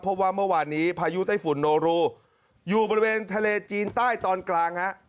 เพราะว่าเมื่อวานนี้พายุไต้ฝุ่นโนรูอยู่บริเวณทะเลจีนใต้ตอนกลางฮะ